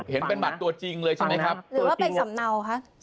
เห็นเป็นบัตรตัวจริงเลยใช่ไหมครับหรือว่าเป็นสำเนาคะ